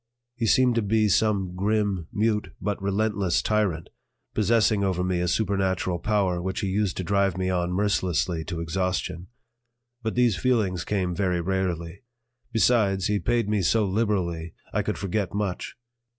He seemed to be some grim, mute, but relentless tyrant, possessing over me a supernatural power which he used to drive me on mercilessly to exhaustion. But these feelings came very rarely; besides, he paid me so liberally I could forget much.